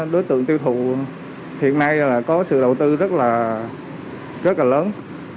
đối tượng tiêu thụ hiện nay là có sự đầu tư rất là lớn